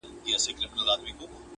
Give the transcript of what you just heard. o د تيارې غم په رڼاکي خوره!